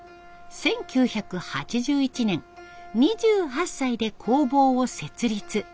１９８１年２８歳で工房を設立。